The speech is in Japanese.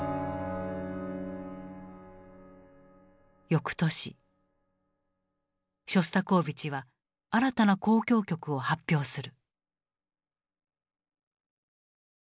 翌年ショスタコーヴィチは新たな交響曲を発表する。